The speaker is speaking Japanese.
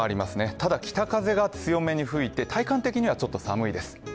ただ北風が強めに吹いて、体感的にはちょっと寒いです。